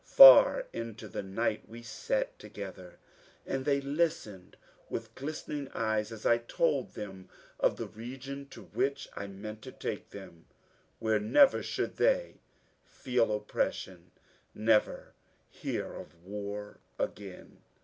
Far into the night we sat together ; and they listened with glistening eyes as I told them of the region to which I meant to take them, where never should they feel oppression, Never hear of war again.